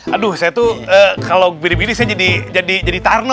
aduh saya tuh kalau mirip mirip saya jadi tarno